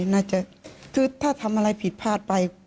น่าจะคือถ้าทำอะไรผิดพลาดไป